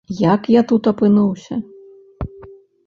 Як я тут апынуўся?